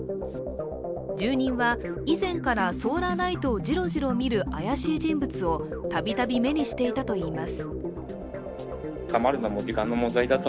住人は以前からソーラーライトをじろじろ見る怪しい人物を度々目にしていたといいます。